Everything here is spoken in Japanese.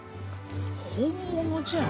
本物じゃん。